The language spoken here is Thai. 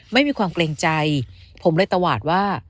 ไม่มีความเกรงใจผมเลยตวาดว่า